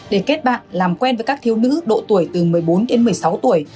để kết bạn làm quen với các thiếu nữ độ tuổi từ một mươi bốn đến một mươi sáu tuổi